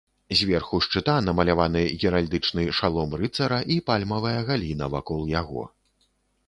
Зверху шчыта намаляваны геральдычны шалом рыцара і пальмавая галіна вакол яго.